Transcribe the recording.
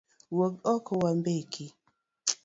Wuog oko wambeki